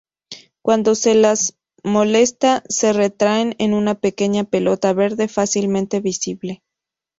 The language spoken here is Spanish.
Cuando se las molesta, se retraen en una pequeña pelota verde fácilmente visible.